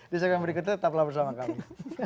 di segmen berikutnya tetaplah bersama kami